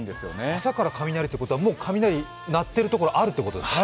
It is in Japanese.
朝から雷ということは、もう雷が鳴っているところがあるということですか？